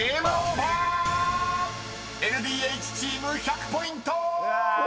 ［ＬＤＨチーム１００ポイント！］